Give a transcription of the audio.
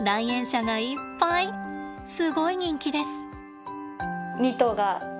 すごい人気です。